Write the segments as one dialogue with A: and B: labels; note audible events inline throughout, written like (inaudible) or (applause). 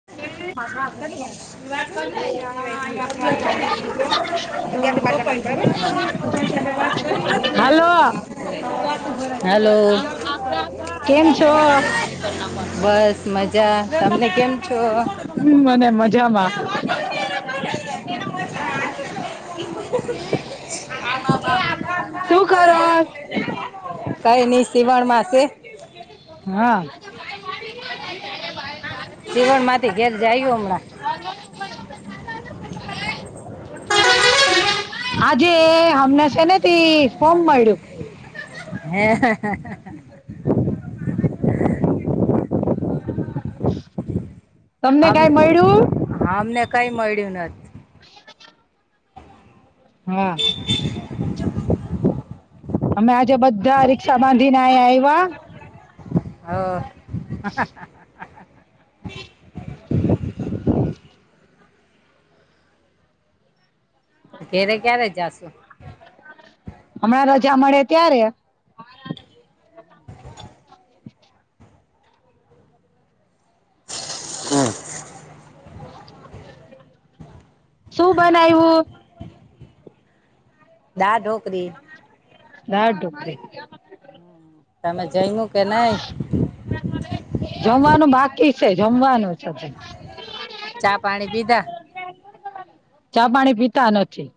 A: (unintelligible) (inaudible) હાલો.
B: Hello
A: કેમ છો?
B: બસ મજા તમને કેમ છો?
A: મને મજામાં
B: (unintelligible) આવ આવ આવ. હું કરો, કઈ ની સીવણમાં સે
A: હા.
B: સીવણ માંથી ઘેર જાયું હમણાં.
A: (inaudible) આજે હમને છે ને થી ફોમ મળ્યું.
B: હ હ. (inaudible)
A: તમને કઈ મળ્યું.
B: અમને કઈ મળડ્યું નથી.
A: હા. અમે આજે બધા રિક્ષા બાંધીને આહી આવ્યા.
B: હ હ. ઘેરે ક્યારે જાશુ.
A: હમણાં રજા મળે ત્યારે.
B: અ. હમ.
A: શું બનાવું.
B: દાળ ઢોકરી.
A: દાળ ઢોકળી.
B: તમે જમ્ઈયું કે નઈ.
A: જમવાનું બાકી છે જમવાનું છે.
B: ચા પાણી પીધા
A: ચા પાણી પીતા નથી.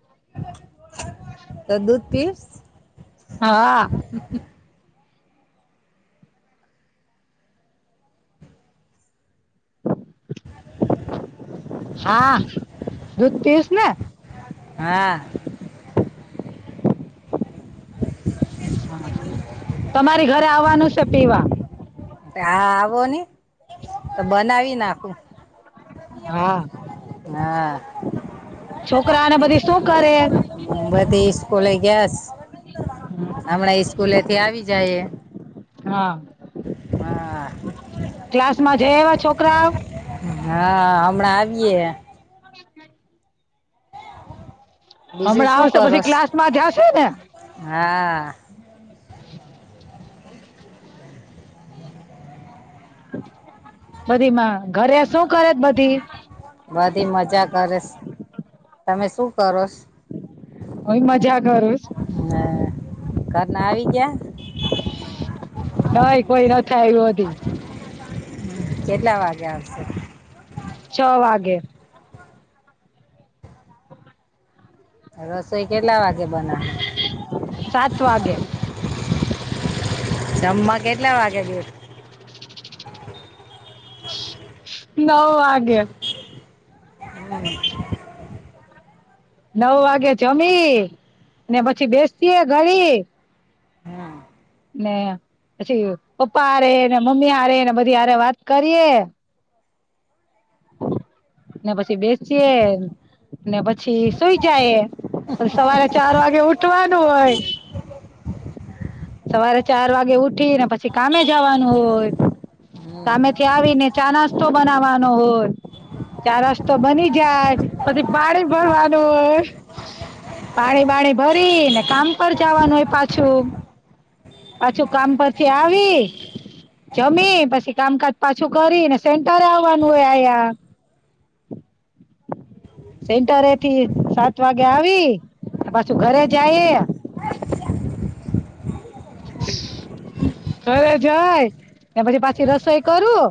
B: તો દૂધ પીસ?
A: હા.
B: હમ હ.
A: હા દૂધ પીસ ને
B: હા.
A: હા. તમારી ઘરે આવવાનું છે પીવા.
B: એ હા આવો ને, તો બનાવી નાખું.
A: હા.
B: હા
A: છોકરા અને બધી શું કરે?
B: બધી ઈસ્કૂલે ગયાસ, હમણાં ઈસ્કૂલેથી આવી જાહે.
A: હા.
B: હા
A: ક્લાસમાં જઈ આયવાં છોકરાવ?
B: હા. હમણા આવીએ.
A: (inaudible)
B: બીજું
A: હમણાં
B: શું
A: આવશે પછી
B: કરોસ
A: ક્લાસ માં જાશે ને?
B: હા.
A: બધી માં ઘરે શું કરે છ બધી?
B: બધી મજા કરેશ. તમે શું કરોસ?
A: હુંય મજા કરુસ.
B: હા. ઘરના આવી ગયાં?
A: નહીં કોઈ નથ આયવું હજી.
B: હમ્મ. કેટલા વાગે આવશે?
A: છ વાગે.
B: રસોઈ કેટલા વાગે બનાવો?
A: સાત વાગે.
B: જમવા કેટલા વાગે બેસ?
A: નવ વાગે.
B: હમ્મ.
A: નવ વાગે જમી, ને પછી બેસીએ ઘડીક.
B: હમ
A: ને પછી પપ્પા હારેને, મમ્મી હારે ને બધી હારે વાત કરીએ. ને પછી બેસિયે ને પછી સુઈ જાયે તો સવારે ચાર વાગે ઉઠવાનું હોય સવારે ચાર વાગે ઉઠીને પછી કામે જવાનું હોય
B: હમ
A: કામેથી આવીને ચા નાસ્તો બનાવાનો હોય ચા નાસ્તો બની જાય પછી પાણી ભરવાનું હોય પાણી વાણી ભરી ને કામ પર જવાનું હોય પાછું પાછું કામ પરથી આવી જમી પછી કામકાજ પાછું કરી ને સેન્ટરે આવવાનું હોય આયા. (inaudible) સેન્ટરે એથી સાત વાગે આવી પાછું ઘરે જાયે ઘરે જય ને પછી પાછી રસોઈ કરું.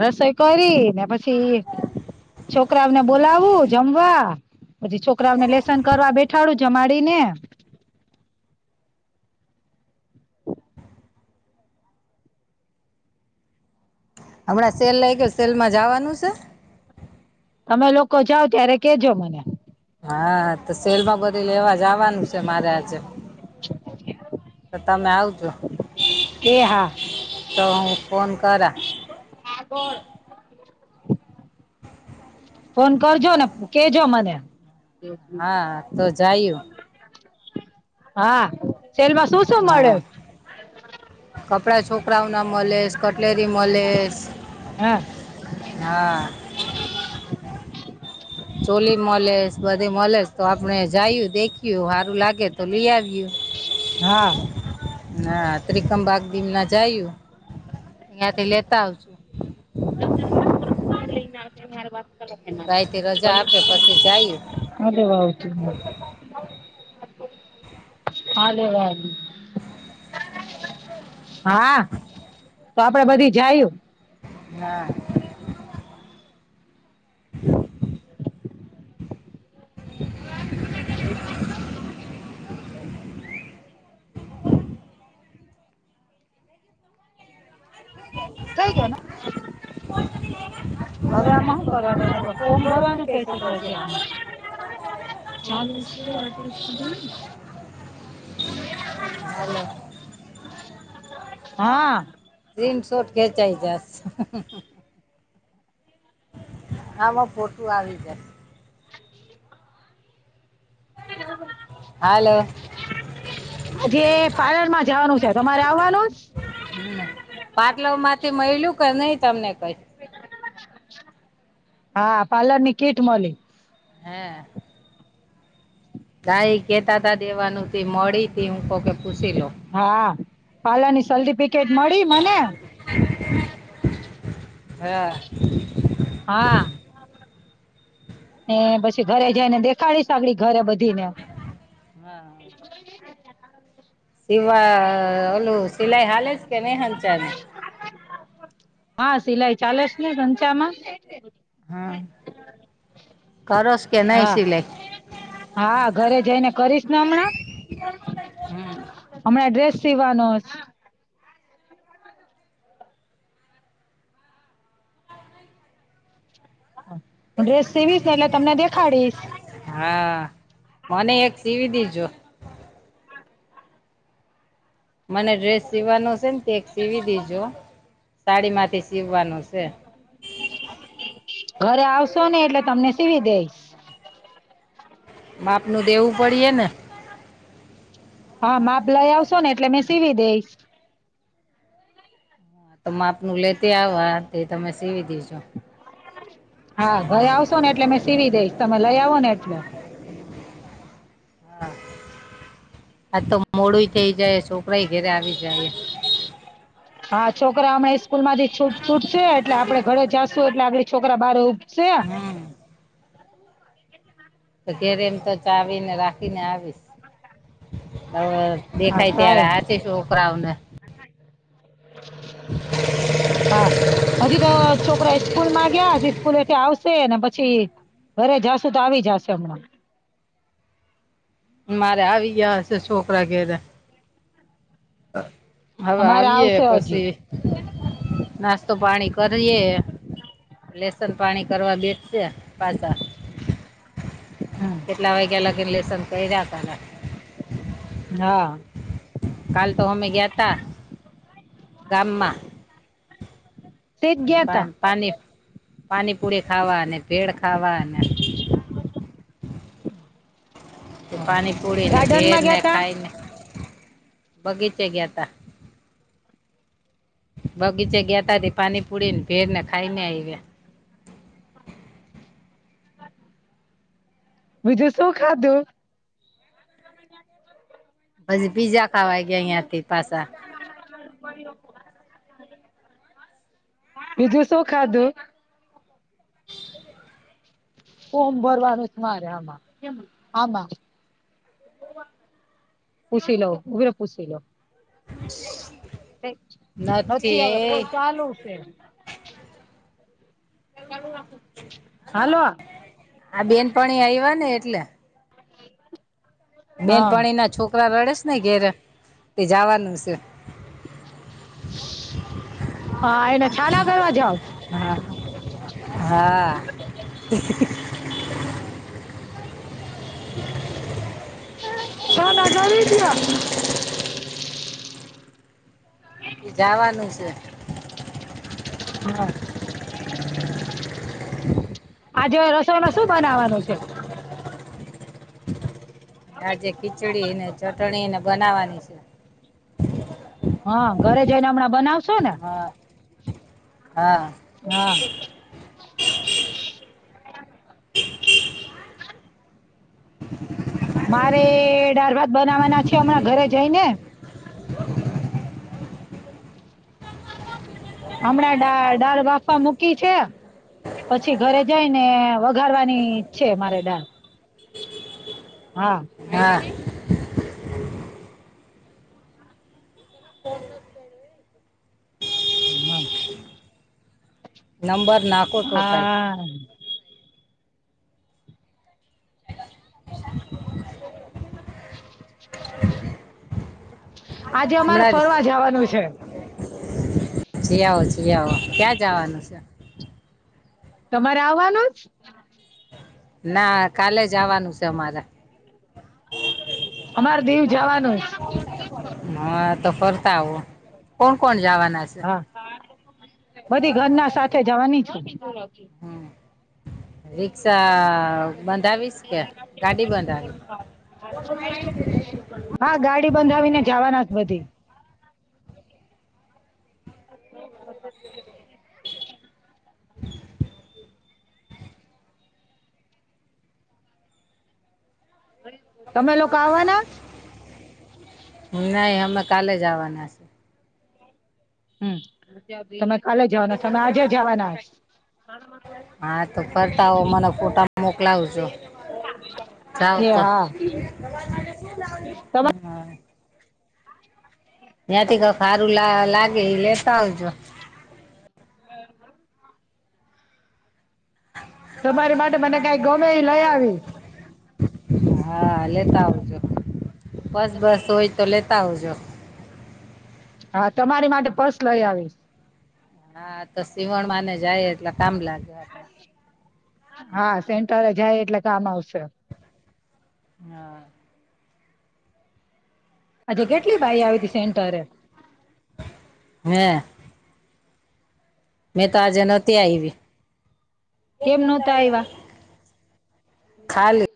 A: રસોઈ કરી ને પછી છોકરાઓને બોલાવું જમવા પછી છોકરાઓને લેસન કરવા બેઠાડું જમાડીને.
B: હમણાં સેલ લાગ્યો સેલમાં જાવાનું શે
A: તમે લોકો જાઓ ત્યારે કેજો મને.
B: હા તો સેલમાં બધે લેવા જવાનું છે મારે આજે.
A: (inaudible)
B: તો તમે આવજો.
A: એ હા.
B: તો હું ફોન કરા
A: આકોર. ફોન કરજો ને કેજો મને.
B: હા તો જાયું.
A: હા, સેલ માં શું શું મળે.
B: કપડા છોકરાઓ ના મલેશ કટલેરી મલેશ
A: હા
B: હા.
A: (inaudible)
B: ચોલી મલેશ બધી મલેશ તો આપણેે જાયું દેખ્યું હારું લાગે તો લીઆવ્યું.
A: હા.
B: હ ત્રિકમબાગ દી ના જાયું ઇયાથી થી લેતા આવ
A: (inaudible) અરે
B: ભાઈથી રજા આપે પછી જાયું
A: વાવતું ન (inaudible) હા લેવા હા તો આપડે બધી જાયું.
B: ના. (inaudible)
A: (inaudible) થઈ ગ્યાના. હવે આમાં હું
B: ફોર્મ
A: કરવાનું એ ફોર્મ ભરવાનું (unintelligible) છે
B: કે તો છે
A: આ ચાલુ શું આટું સુ
B: હાલો.
A: હા
B: સ્ક્રીનશોર્ટ ખેચાઈ જાસ આમાં ફોટું આવી જાય. હાલો.
A: જે પાર્લરમાં જવાનું છે તમારે આવવાનુંસ.
B: હમ પાર્લવ માંથી મયલુ કે નહી તમને કઈ.
A: હા પાર્લર ની કીટ મલી.
B: હે ગાય કેતા તા દેવાનું મડી તે હું કોક ને પૂસી લઉ.
A: હા પાલર ની સર્ટિફિકેટ મળી મને
B: હ.
A: હા. ને પછી ઘરે જઈને દેખાડીશ (unintelligible) ઘરે બધી ને
B: હા. સિવા ઓલું સિલાઈ હાલે છે કે નહી હાલ ચાલ
A: હા સિલાઈ ચાલેસ ને ઘંચામાં
B: હમ કરોશ કે નઈ
A: હા
B: સિલાઈ
A: હા ઘરે જઈને કરીશ ને હમણાં
B: હમ્મ.
A: હમણાં ડ્રેસ સી વાનો હ ડ્રેસ સેવીશ ને એટલે તમને દેખાડીશ
B: હા મને એક સીવી દીજો મને ડ્રેસ સીવાનો છે ને તે સીવી દેજો સાડી માંથી સીવવાનું છે
A: ઘરે આવશો ને એટલે તમને સીવી દેઇસ
B: માપનું દેવું પડી હે ને
A: હા માપ લઈ આવશો ને એટલે મે સીવી દઈશ
B: તમા માપનું લેતી આવા તે તમે સીવી દેજો
A: હા ભાઈ આવશો ને એટલે મેં સીવી દઈશ તમે લઈ આવો ને એટલે
B: હા આ તો મોડું થઇ જાય છોકરાય ઘેરે આવી જાય
A: હા છોકરા અ સ્કૂલ માંથી છૂટ છૂટ છે એટલે આપડે ઘરે જા છું એટલે આપડે છોકરા બાર ઊપસે
B: હમ્મ. અત્યારે એમ તો ચાવી ને રાખીને આવીશ હવે
A: હા
B: દેખાય ત્યારે
A: કાય
B: હાથી છ છોકરાઓને
A: હા હજી તો છોકરા સ્સ્કૂલ માં ગયા સ્કૂલ એથી આવશે ને પછી ઘરે જાશુ તો આવી જાશે હમણાં
B: મારે આવી ગયા હશે છોકરા ઘેરે હવે
A: અમારે
B: આવીએ
A: આવશે હજી
B: પછી નાસ્તો પાણી કરીએ લસન પાણી કરવા બેઠશે પાછા
A: હમ
B: કેટલા વાગ્યાં લાગી ને લેસન કરિયા કરે
A: હા
B: કાલ તો અમે ગયા તા ગામમાં
A: તેજ ગયા તા
B: પા પાણીપુરી ખાવા અને ભેળ ખાવા અને પાણી પુડીને
A: ગાર્ડન
B: ભેળ
A: માં
B: ને
A: ગયા તા
B: ખાઈને બગીચે ગયા તા બગીચે ગયાતા થી પાણી પુડી ને ભેળ ને ખાઈ ને આ ગયા
A: બીજું શું ખાધું
B: પછી પીઝા ખાવા ગયા અહિયાં થી પાસા
A: બીજું શું ખાધું ફોમ ભરવાનું છે મારે આમાં આમાં પુછ લઉ ઉભરે પુછ લ
B: (inaudible)
A: નથી હવે કોઈ ચાલુ છે હાલો
B: આ બેનપણી આવ્યા ને એટલે
A: (unintelligible) હા
B: બેનપણી ના છોકરા રડે છે ને ઘેરે તે જવાનું છે.
A: હા એને છાના કરવા જાવ
B: હા હા
A: (unintelligible)
B: જવાનું છે
A: હા આજ રસોઈમાં શું બનાવાનું છે
B: આજે ખીચડી ને ચટણી ને બનાવવાની છે
A: હા ઘરે જઈને હમણાં બનાવશો ને
B: હા હા
A: હા મારે ડાર ભાત બનાવાના છે હમણાં ઘરે જઈ ને હમણાં ડા દાળ બાફવા મૂકી છે. પછી ઘરે જાયને વઘારવાની છે મારે ડાળ. હા.
B: હા.
A: હા.
B: નંબર નાખ.
A: હા. આજે અમારે ફરવા જવાનું છે.
B: જીયાઓ જીિયાઓ ક્યાં જવાનું છે.
A: તમારે આવવાનું જ.
B: ના કાલે જ જાવવાનું છે અમારે.
A: અમારે દીવ જવાનું જ
B: હા તો ફરતા આવો કોણ કોણ જવાના છે.
A: હા બધી ઘરના સાથે જવાની છે.
B: હમ રિક્શા. બાંધાવીશ કે ગાડી બાંધાવી.
A: હા ગાડી બંધાવીને જવાના જ બધી. તમે લોકો આવવાના.
B: નહી હમે કાલે જ આવાના છે.
A: હ તમે કાલે જવાના તમે આજે જવાના.
B: હા તો ફરતા આવ મને ફોટા મોકલાવજો. જાવ
A: તે
B: તો
A: હા. તમા
B: હા. ત્યાંથી ક ખારું લાગે એ લેતા આવજો.
A: હમ. તમારી માટે મને કઈ ગમે એ લઈ આવી.
B: હા લેતા આવજો બસ બસ હોય તો લેતા આવજો.
A: હા તમારી માટે પસ લઈ આવીશ.
B: હા તો સીવણમાંને જાય એટલે કામ લાગે આપ.
A: હા સેન્ટરે જાય એટલે કામ આવશે.
B: હા.
A: અચ્છા કેટલી ભાઈ આવી ત સેન્ટરે.
B: હે મે તો આજના તે આઈી.
A: કેમ નહોતા એવા.
B: ખાલી.